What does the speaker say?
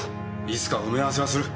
いつか埋め合わせはする。